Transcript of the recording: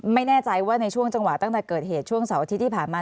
ไม่แน่ใจว่าในช่วงจังหวะตั้งแต่เกิดเหตุช่วงเสาร์อาทิตย์ที่ผ่านมา